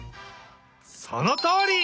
そのとおり！